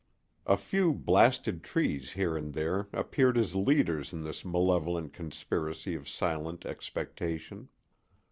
A few blasted trees here and there appeared as leaders in this malevolent conspiracy of silent expectation.